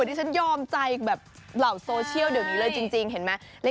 ที่ฉันยอมใจแบบเหล่าโซเชียลเดี๋ยวนี้เลยจริงเห็นไหม